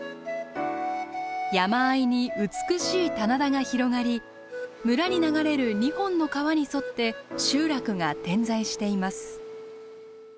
山あいに美しい棚田が広がり村に流れる２本の川に沿って集落が点在しています。